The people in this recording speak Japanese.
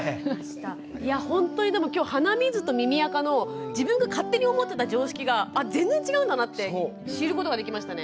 いやほんとにでも今日鼻水と耳あかの自分が勝手に思ってた常識が全然違うんだなって知ることができましたね。